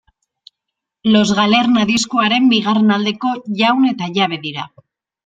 Los Galerna diskoaren bigarren aldeko jaun eta jabe dira.